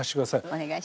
お願いします。